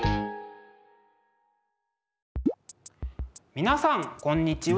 皆さんこんにちは。